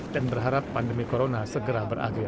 dan berharap pandemi corona segera berakhir